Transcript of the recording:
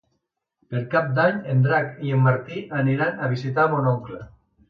Per Cap d'Any en Drac i en Martí aniran a visitar mon oncle.